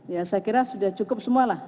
saya kira sudah cukup semualah